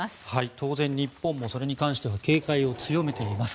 当然、日本もそれに関しては警戒を強めています。